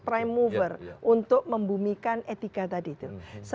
prime mover untuk membumikan etika tadi itu